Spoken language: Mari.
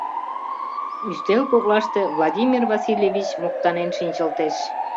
Ӱстел коклаште Владимир Васильевич моктанен шинчылтеш: